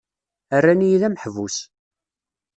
Rran-iyi d ameḥbus.